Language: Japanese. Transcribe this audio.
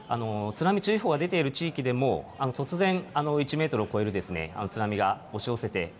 津波注意報が出ている地域でも、突然、１メートルを超える津波が押し寄せて。